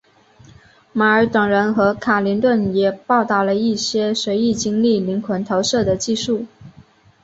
马尔等人和卡林顿也报道了一些随意经历灵魂投射的技术。